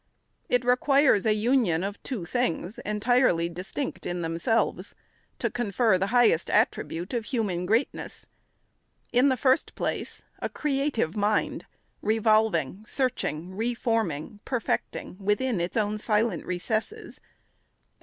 It requires a union of two things, entirely distinct in themselves, to confer the highest attribute of human greatness ;— in the first place, a creative mind, revolving, searching, re forming, perfecting, within its own silent recesses ; and SECOND ANNUAL REPORT.